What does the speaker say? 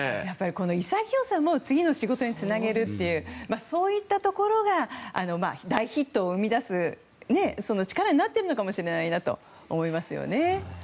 この潔さも、次の仕事につなげるというそういったところが大ヒットを生み出す力になっているのかもしれないなと思いますよね。